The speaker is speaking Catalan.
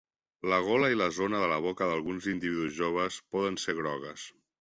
La gola i la zona de la boca d'alguns individus joves poden ser grogues.